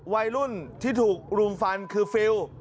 วัยรุ่นที่ถูกรุมฟันคือฟิล